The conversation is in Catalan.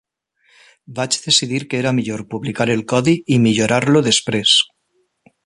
Vaig decidir que era millor publicar el codi i millorar-lo després.